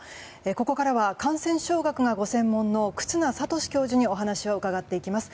ここからは感染症学がご専門の忽那賢志教授にお話を伺っていきます。